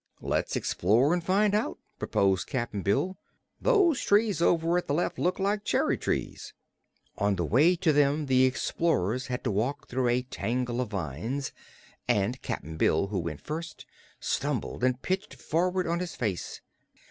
"Let's explore an' find out," proposed Cap'n Bill. "Those trees over at the left look like cherry trees." On the way to them the explorers had to walk through a tangle of vines and Cap'n Bill, who went first, stumbled and pitched forward on his face.